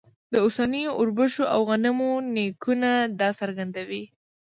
د اوسنیو اوربشو او غنمو نیکونه دا څرګندوي.